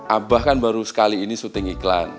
abah kan baru sekali ini syuting iklan